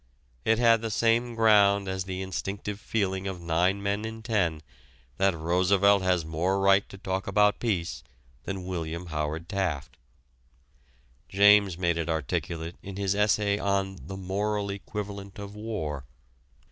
It had the same ground as the instinctive feeling of nine men in ten that Roosevelt has more right to talk about peace than William Howard Taft. James made it articulate in his essay on "The Moral Equivalent of War."